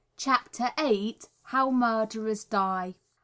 CHAPTER VIII. How Murderers Die.